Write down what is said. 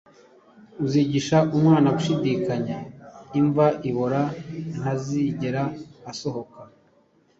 Uzigisha Umwana Gushidikanya Imva ibora ntazigera asohoka.